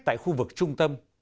tại khu vực trung tâm